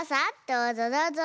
どうぞどうぞ。